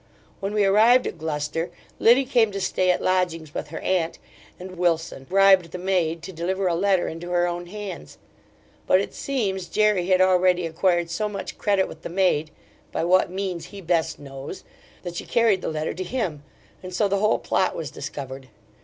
When we arrived at Gloucester, Liddy came to stay at lodgings with her aunt, and Wilson bribed the maid to deliver a letter into her own hands; but it seems Jery had already acquired so much credit with the maid (by what means he best knows) that she carried the letter to him, and so the whole plot was discovered.